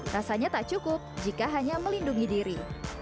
rasanya tak cukup jika hanya melindungi diri